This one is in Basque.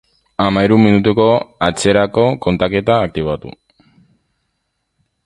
Hamahiru minutuko atzerako kontaketa aktibatu